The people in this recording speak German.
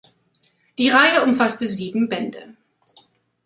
Die Reihe umfasste sieben Bände.